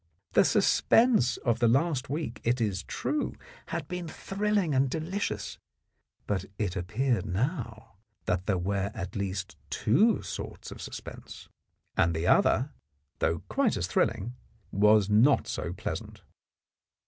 The sus pense of the last week, it is true, had been thrilling and delicious, but it appeared now that there were at least two sorts of suspense, and the other, though quite as thrilling, was not so pleasant.